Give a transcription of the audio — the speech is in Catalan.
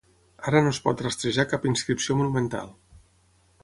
Ara no es pot rastrejar cap inscripció monumental.